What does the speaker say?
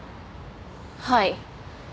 はい。